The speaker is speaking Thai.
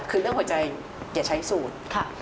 คือเรื่องหัวใจอย่าใช้สูตร